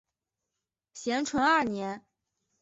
咸淳二年。